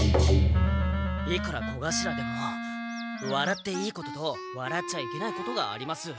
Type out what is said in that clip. いくら小頭でもわらっていいこととわらっちゃいけないことがあります。